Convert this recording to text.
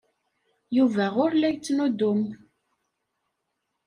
Yuba ur la yettnuddum.